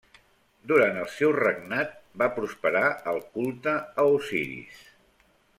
Durant el seu regnat, va prosperar el culte a Osiris.